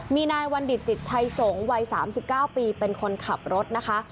มีนายบัณฑิตจิตชัยสงฆ์วัย๓๙ปีเป็นคนขับรถนะคะ